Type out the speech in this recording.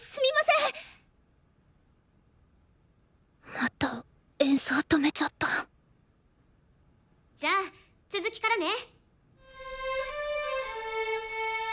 また演奏止めちゃったじゃあ続きからね！